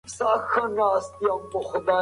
حتی حیوانات هم وړتیا لري.